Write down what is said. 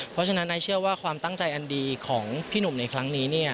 เพราะฉะนั้นนายเชื่อว่าความตั้งใจอันดีของพี่หนุ่มในครั้งนี้